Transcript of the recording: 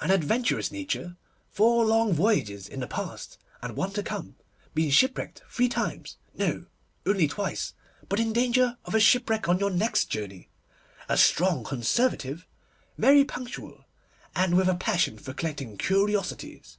'An adventurous nature; four long voyages in the past, and one to come. Been ship wrecked three times. No, only twice, but in danger of a shipwreck your next journey. A strong Conservative, very punctual, and with a passion for collecting curiosities.